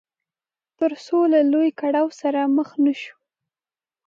تر څو له لوی کړاو سره مخ نه شو.